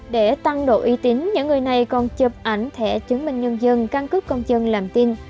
để tăng độ uy tín những người này còn chụp ảnh thẻ chứng minh nhân dân căn cứ công dân làm tin